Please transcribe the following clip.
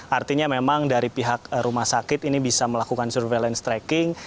artinya memang dari pihak rumah sakit ini bisa melakukan surveillance tracking